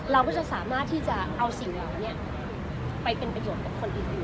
เราก็จะสามารถที่จะเอาสิ่งเหล่านี้ไปเป็นประโยชน์กับคนอื่น